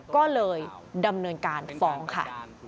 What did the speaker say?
ก็เลยดำเนินการฟ้องค่ะ